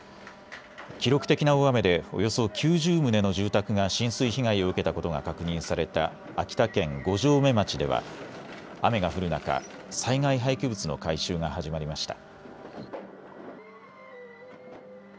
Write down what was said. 記録的な大雨でおよそ９０棟の住宅が浸水被害を受けたことが確認された秋田県五城目町では雨が降る中、災害廃棄物の回収が始まりました。